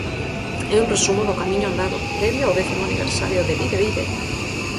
É un resumo do camiño andado, previo ao décimo aniversario de Vide, Vide!